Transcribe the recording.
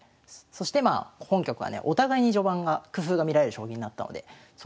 そしてまあ本局はねお互いに序盤が工夫が見られる将棋になったのでそこをね